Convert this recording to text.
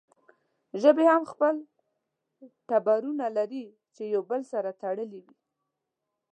ژبې هم خپل ټبرونه لري چې يو بل سره تړلې وي